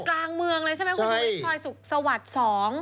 กลางเมืองเลยใช่ไหมคุณช่วยสวัสดิ์สอง